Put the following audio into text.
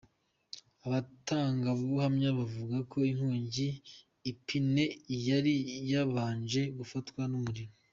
Abatangabuhamya bavuga ko inkongi ipine ari yo yabanje gufatwa n’umuriro.